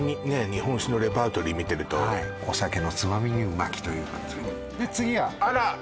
日本酒のレパートリー見てるとお酒のつまみにう巻きというで次があら！